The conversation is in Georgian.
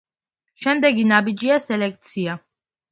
შემდეგი ნაბიჯია სელექცია.